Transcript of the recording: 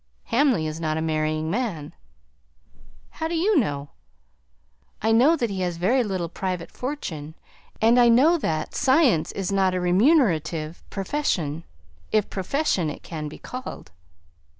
"Hamley is not a marrying man." "How do you know?" "I know that he has very little private fortune, and I know that science is not a remunerative profession, if profession it can be called."